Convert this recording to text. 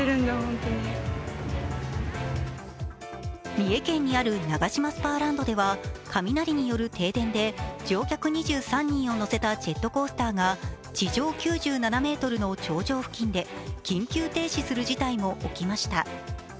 三重県にあるナガシマスパーランドでは雷による停電で乗客２３人を乗せたジェットコースターが地上９７ｍの頂上付近で緊急停止する事態も起きました。